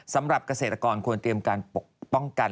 สำหรับเกษตรกรควรเตรียมการปกป้องกัน